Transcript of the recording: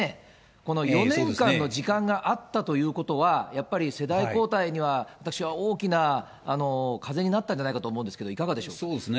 この４年間の時間があったということは、やっぱり、世代交代には私は大きな風になったんじゃないかと思うんですけど、そうですね。